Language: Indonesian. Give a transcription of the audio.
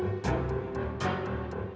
tidak mungkin cortez